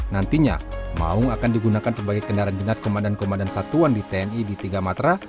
nantinya maung akan digunakan sebagai kendaraan dinas komandan komandan satuan di tni di tiga matra